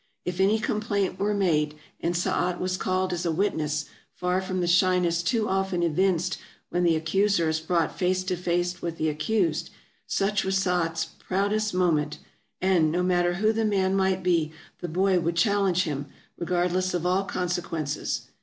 If any complaint were made, and Saat was called as a witness — far from the shyness too often evinced when the accuser is brought face to face with the accused — such was Saat's proudest moment ; and, no matter who the man might be, the boy would challenge him, regardless of all consequences.